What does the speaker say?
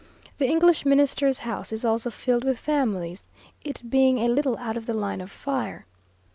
The English Minister's house is also filled with families, it being a little out of the line of fire.